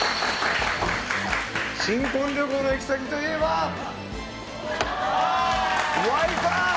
新婚旅行の行き先といえばワイハ！